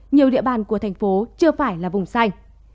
nhiều địa bàn của thành phố chưa phải là vùng xanh